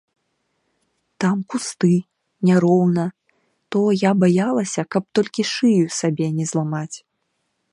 Там кусты, няроўна, то я баялася, каб толькі шыю сабе не зламаць.